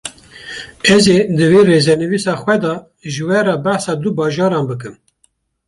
Ez ê di vê rêzenivîsa xwe de ji we re behsa du bajaran bikim